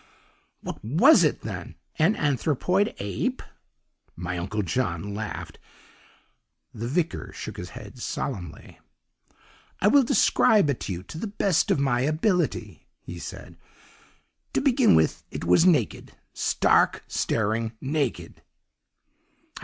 "'What was it, then an anthropoid ape?' my Uncle John laughed. "The vicar shook his head solemnly. "'I will describe it to you to the best of my ability,' he said. 'To begin with it was naked stark, staring naked!